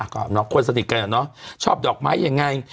คนสนิทกันอะเนาะชอบดอกไม้ยังไง